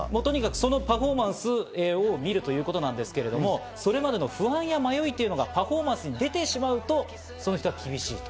そのパフォーマンスを見るということなんですが、不安や迷いというのがパフォーマンスに出てしまうと、その人は厳しいと。